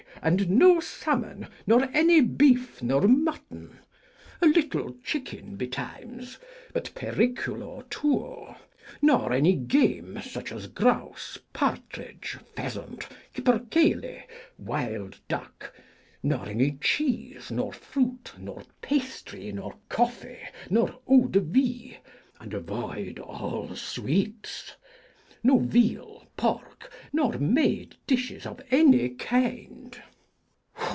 and no salmon nor any beef nor mutton! A little chicken by times, but periculo tuo! Nor any game, such as grouse, partridge, pheasant, capercailzie, wild duck; nor any cheese, nor fruit, nor pastry, nor coffee, nor eau de vie; and avoid all sweets. No veal, pork, nor made dishes of any kind.'